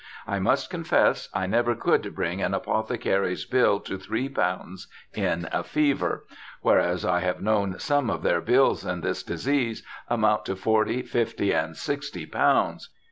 I must confess, I never could bring an Apothecary's Bill to three pounds in a fever; whereas I have known some of their bills in this disease amount to forty, fifty, and sixty Pounds.